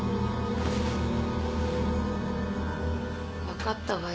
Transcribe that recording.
分かったわよ。